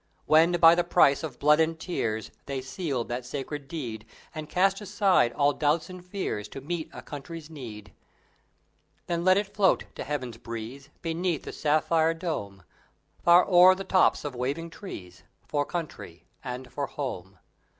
When by the price of blood and tears They sealed that sacred deed, And cast aside all doubts and fears, To meet a Country's need. Then let it float to Heaven's breeze, Beneath the sapphire dome; Far o'er the tops of waving trees; "For Country and for Home!"